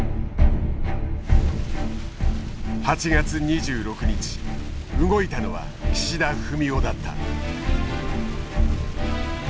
８月２６日動いたのは岸田文雄だった。